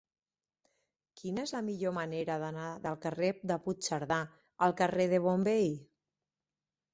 Quina és la millor manera d'anar del carrer de Puigcerdà al carrer de Bonveí?